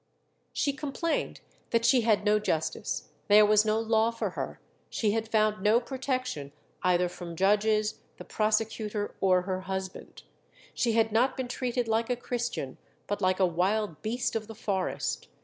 She complained that she had no justice; there was no law for her, she had found no protection either from judges, the prosecutor, or her husband. She had not been treated like a Christian, but like a wild beast of the forest.